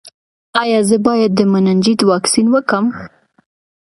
ایا زه باید د مننجیت واکسین وکړم؟